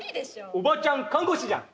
おばちゃん看護師じゃん。